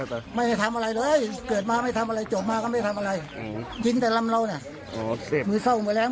ปู่บอกปู่บอกปู่บอกปู่บอกปู่บอกปู่บอกปู่บอกปู่บอกปู่บอก